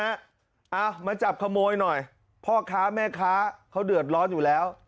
เอามาจับขโมยหน่อยพ่อค้าแม่ค้าเขาเดือดร้อนอยู่แล้ว